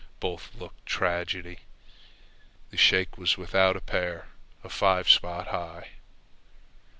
Both looked tragedy. The shake was without a pair and five spot high.